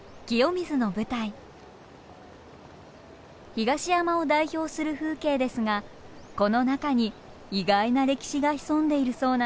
東山を代表する風景ですがこの中に意外な歴史が潜んでいるそうなんです。